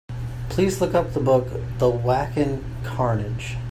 Please look up the book, The Wacken Carnage.